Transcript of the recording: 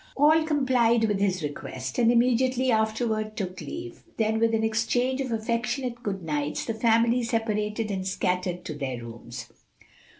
All complied with his request, and immediately afterward took leave. Then with an exchange of affectionate good nights the family separated and scattered to their rooms.